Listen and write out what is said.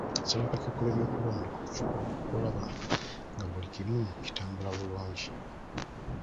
Asaba akakiiko k'ebyokulonda okufuba okulaba nga buli kimu kitambula bulungi,